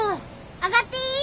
上がっていい？